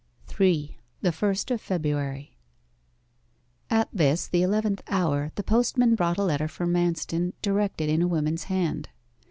3. THE FIRST OF FEBRUARY At this, the eleventh hour, the postman brought a letter for Manston, directed in a woman's hand.